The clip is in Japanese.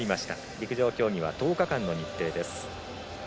陸上競技は１０日間の日程です。